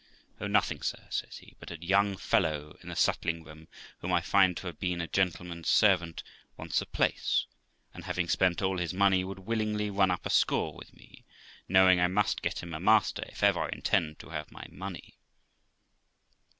'Oh, nothing, sir', says he; 'but a young fellow in the sutling room, whom I find to have been a gentleman's servant, wants a place; and having spent all his money, would willingly run up a score with me, knowing I must get him a master if ever I intend to have my money.'